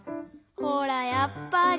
ほらやっぱり。